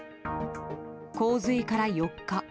洪水から４日。